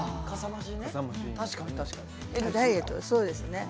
ダイエットとか、そうですね。